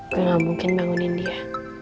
gue gak mungkin bangunin dia